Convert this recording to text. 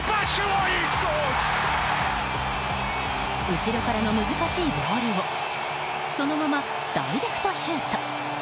後ろからの難しいボールをそのままダイレクトシュート。